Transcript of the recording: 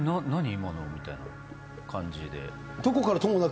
今の、みたいな感じで。